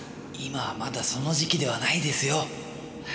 今はまだその時期ではないですよ。